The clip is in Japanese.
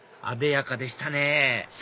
あでやかでしたね